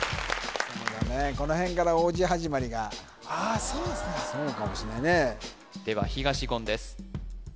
この辺から王子はじまりがああそうですねそうかもしれないねでは東言です